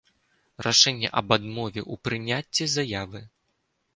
Рашэнне аб адмове ў прыняццi заявы.